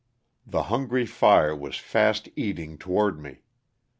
The hungry fire was fast eating toward me.